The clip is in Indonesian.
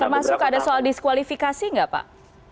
termasuk ada soal diskualifikasi nggak pak